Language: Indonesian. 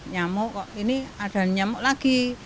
nyamuk kok ini ada nyamuk lagi